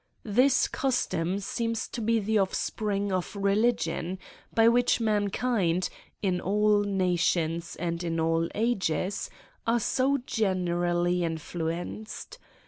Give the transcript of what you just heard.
This custom seems to be the offspring of religion, by which mankind, in all nations and in all. ages, are so generally influenced.